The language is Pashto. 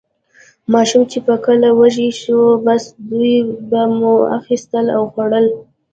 ماښام چې به کله وږي شوو، بس دوی به مو اخیستل او خوړل.